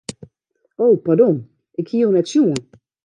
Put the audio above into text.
O pardon, ik hie jo net sjoen.